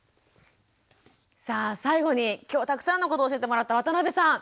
さあ最後に今日たくさんのことを教えてもらった渡部さん。